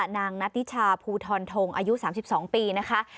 นางนัตติชาภูทรทงอายุ๓๒ปีนะคะ